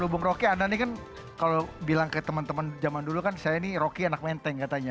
bung roky anda nih kan kalau bilang ke teman teman zaman dulu kan saya nih rocky anak menteng katanya